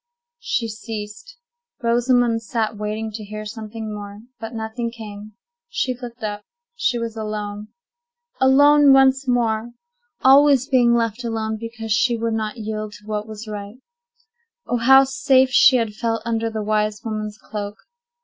She ceased. Rosamond sat waiting to hear something more; but nothing came. She looked up; she was alone. Alone once more! Always being left alone, because she would not yield to what was right! Oh, how safe she had felt under the wise woman's cloak!